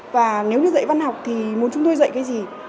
và nếu như dạy văn học thì muốn chúng tôi dạy cái gì